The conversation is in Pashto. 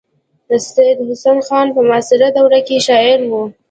سید حسن خان په معاصره دوره کې شاعر و.